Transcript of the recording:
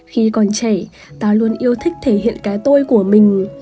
khi còn trẻ ta luôn yêu thích thể hiện cái tôi của mình